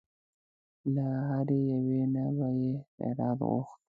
له هرې یوې نه به یې خیرات غوښت.